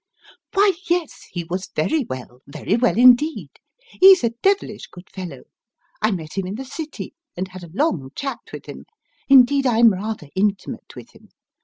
" Why, yes ; he was very well very well indeed. He's a devilish good fellow. I met him in the City, and had a long chat with him. Indeed, I'm rather intimate with him.